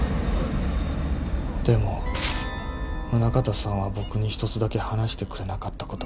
でも宗形さんは僕に１つだけ話してくれなかった事がある。